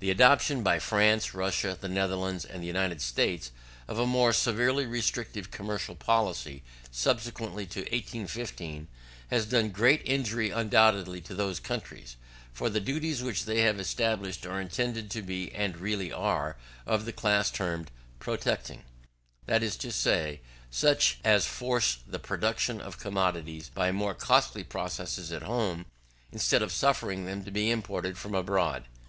The adoption by France, Russia, the Netherlands, and the United States, of a more severely restrictive commercial policy, subsequently to 1815, has done great injury undoubtedly to those countries; for the duties which they have established are intended to be, and really are, of the class termed protecting; that is to say, such as force the production of commodities by more costly processes at home, instead of suffering them to be imported from abroad.